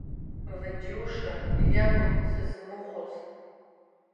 Владиуша иакәын сызмыхәоз.